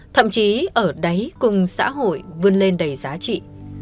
thậm chí ở đáy cùng xã hội vươn lên đầy giá trị